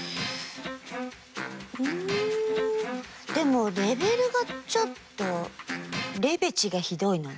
でもレベルがちょっとレベちがひどいので。